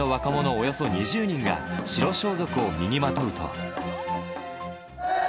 およそ２０人が、白装束を身にまとうと。